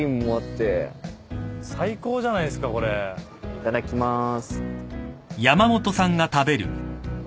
いただきまーす。